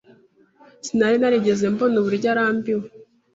Sinari narigeze mbona uburyo arambiwe.